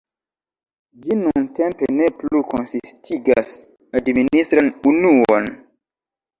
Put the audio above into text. Ĝi nuntempe ne plu konsistigas administran unuon.